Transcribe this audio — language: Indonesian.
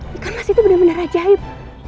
ikan khas itu benar benar ajaib